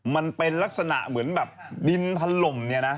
มันเป็นลักษณะเหมือนแบบดินทัพลม